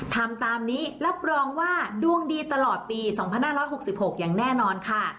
ทำตามนี้รับรองว่าดวงดีตลอดปี๒๕๖๖อย่างแน่นอนค่ะ